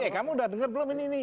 kamu udah denger belum ini